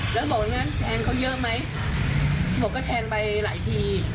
แล้วบอกว่างั้นแทงเขาเยอะไหมบอกก็แทงไปหลายที